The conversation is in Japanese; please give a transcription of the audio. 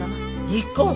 離婚？